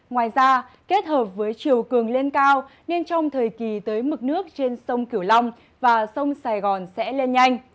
ngoài ra kết hợp với chiều cường lên cao nên trong thời kỳ tới mực nước trên sông kiểu long và sông sài gòn sẽ lên nhanh